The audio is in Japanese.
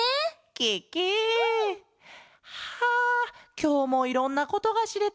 ケケ！はあきょうもいろんなことがしれた。